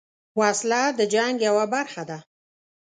وسله د جنګ یوه برخه ده